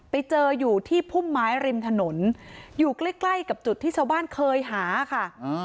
ไปเจออยู่ที่พุ่มไม้ริมถนนอยู่ใกล้ใกล้กับจุดที่ชาวบ้านเคยหาค่ะ